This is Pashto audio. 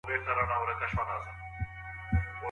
هغه څه چي ميرمني ته د واده پر وخت ورکړل سوي وي.